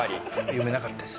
読めなかったです。